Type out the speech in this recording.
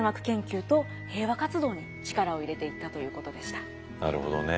ただなるほどね。